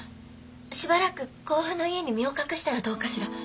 しばらく甲府の家に身を隠したらどうかしら？